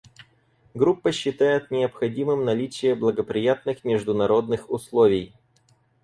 Группа считает необходимым наличие благоприятных международных условий.